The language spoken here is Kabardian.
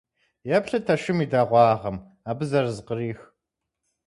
Еплъыт а шым и дэгъуагъым! Абы зэрызыкърих!